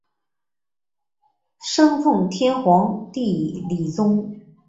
生奉天皇帝李琮。